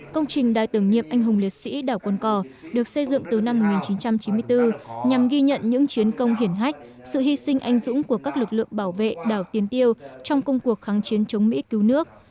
công trình đài tưởng nghiệp anh hùng liệt sĩ đảo cồn cò được xây dựng từ năm một nghìn chín trăm chín mươi bốn nhằm ghi nhận những chiến công hiển hách sự hy sinh anh dũng của các lực lượng bảo vệ đảo tiến tiêu trong công cuộc kháng chiến chống mỹ cứu nước